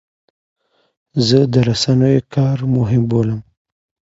زه د رسنیو کار مهم بولم.